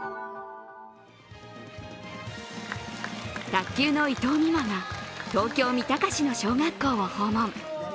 卓球の伊藤美誠が東京・三鷹市の小学校を訪問。